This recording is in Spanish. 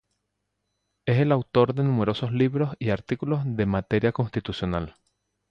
Es autor de numerosos libros y artículos en materia constitucional.